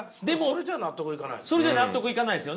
それじゃ納得いかないですよね。